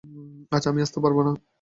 আজ আমি আসতে পারব না।